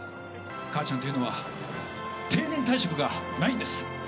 母ちゃんというのは定年退職がないんです。